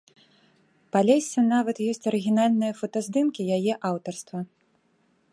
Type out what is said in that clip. Палесся нават ёсць арыгінальныя фотаздымкі яе аўтарства.